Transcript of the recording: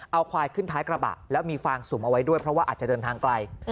เอาควายขึ้นท้ายกระบะแล้วมีฟางสุ่มเอาไว้ด้วยเพราะว่าอาจจะเดินทางไกล